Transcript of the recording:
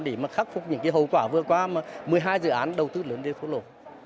để mà khắc phục những hậu quả vừa qua mà một mươi hai dự án đầu tư lớn về phố lộ